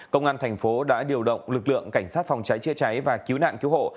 công an thành phố đã điều động lực lượng cảnh sát phòng cháy chữa cháy và cứu nạn cứu hộ